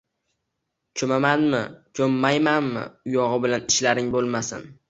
Ko‘mamanmi, ko‘mmaymanmi, uyog‘i bilan ishlaring bo‘lmasin!